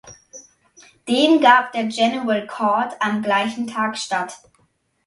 Dem gab der "General Court" am gleichen Tag statt.